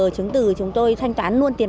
chứng từ chúng tôi thanh toán luôn tiền